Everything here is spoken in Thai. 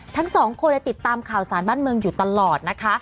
ทั้งสองคนติดตามข่าวสารบ้านเมืองอยู่ตลอดนะคะ